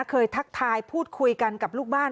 ทักทายพูดคุยกันกับลูกบ้าน